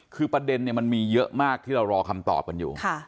คือประเด็นมันมีเยอะมากที่เรารอคำตอบกันอยู่